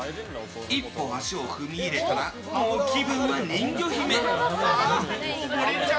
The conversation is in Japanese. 一歩足を踏み入れたらもう気分は人魚姫。